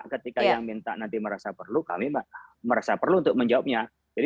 ketika yang minta nanti merasa perlu kami merasa perlu untuk menjawabnya